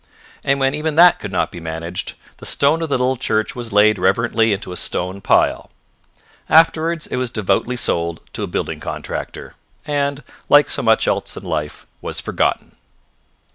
And when even that could not be managed, the stone of the little church was laid reverently into a stone pile; afterwards it was devoutly sold to a building contractor, and, like so much else in life, was forgotten.